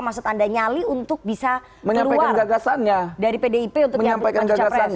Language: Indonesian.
maksud anda nyali untuk bisa keluar dari pdip untuk nyambungkan capres